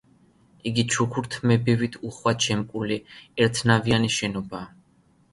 იგი ჩუქურთმებით უხვად შემკული ერთნავიანი შენობაა.